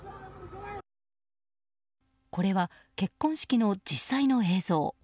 これは結婚式の実際の映像。